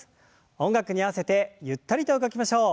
音楽に合わせてゆったりと動きましょう。